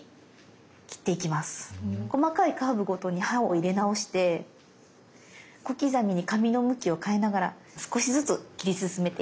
細かいカーブごとに刃を入れ直して小刻みに紙の向きを変えながら少しずつ切り進めていって下さい。